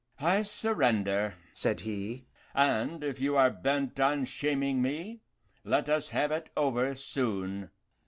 "I surrender," said he; "and if you are bent on shaming me, let us have it over soon."